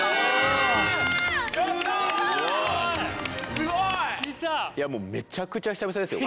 すごい！いやもうめちゃくちゃ久々ですよ